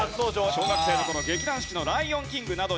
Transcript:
小学生の頃劇団四季の『ライオンキング』などに出演。